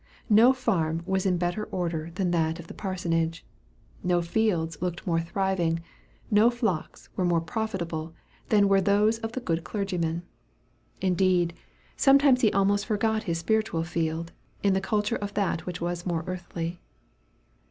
No farm was in better order than that of the parsonage; no fields looked more thriving, and no flocks were more profitable than were those of the good clergyman. Indeed he sometimes almost forgot his spiritual field, in the culture of that which was more earthly.